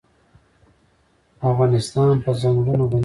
افغانستان په ځنګلونه غني دی.